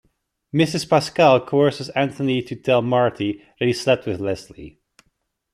Mrs. Pascal coerces Anthony to tell Marty that he slept with Lesly.